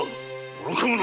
愚か者！